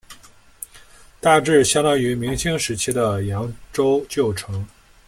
大致相当于明清时期的扬州旧城。